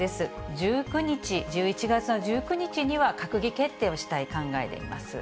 １９日、１１月の１９日には閣議決定をしたい考えでいます。